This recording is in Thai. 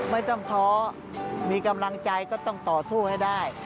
ไม่ต้องท้อมีกำลังใจก็ต้องต่อทั่วให้ได้